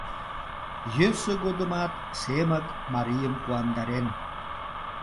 Йӧсӧ годымат Семык марийым куандарен.